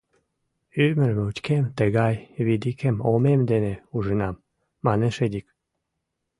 — Ӱмыр мучкем тыгай видикым омем дене ужынам, — манеш Эдик.